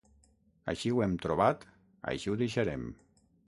Així ho hem trobat, així ho deixarem.